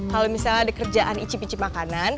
kalau misalnya ada kerjaan icip icip makanan